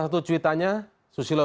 hal yang sudah diperlukan oleh pemerintah